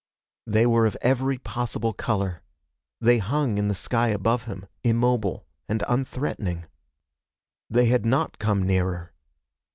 They were of every possible color. They hung in the sky above him, immobile and unthreatening. They had not come nearer.